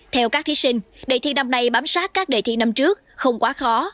theo các thí sinh đề thi năm nay bám sát các đề thi năm trước không quá khó